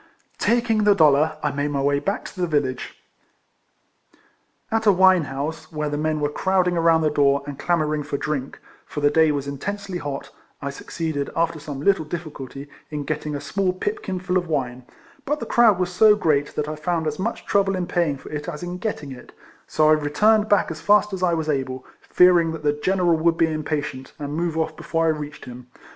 Taking the dollar, I made my way back to the village. At a wine house, where the men were crowding around the door, and clamouring for drink, (for the day was intensely hot,) I succeeded, after some little difficulty, in getting a small pipkin full of wine ; but the crowd was so great, that I found as much trouble in paying for it as in getting it ; so I returned back as fast as I was able, fearing that the general would be impatient, and move off before I reached him.